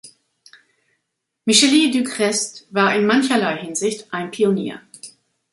Micheli du Crest war in mancherlei Hinsicht ein Pionier.